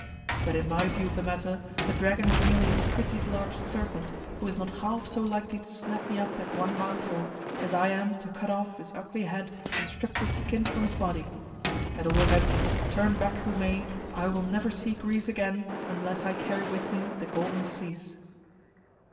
But in my view of the matter, the dragon is merely a pretty large serpent who is not half so likely to snap me up at one mouthful as I am to cut off his ugly head and strip the skin from his body. At all events, turn back who may, I will never see Greece again unless I carry with me the Golden Fleece."